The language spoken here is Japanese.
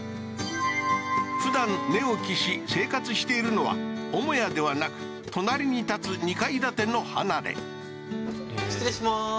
普段寝起きし生活しているのは母屋ではなく隣に建つ２階建ての離れ